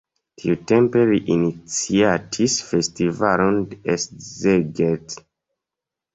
Tiutempe li iniciatis festivalon de Szeged.